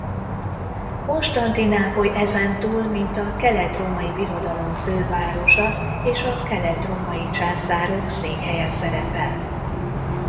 Konstantinápoly ezentúl mint a Keletrómai Birodalom fővárosa és a keletrómai császárok székhelye szerepel.